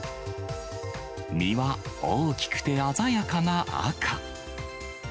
実は大きくて鮮やかな赤。